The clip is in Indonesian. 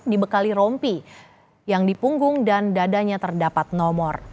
dibekali rompi yang di punggung dan dadanya terdapat nomor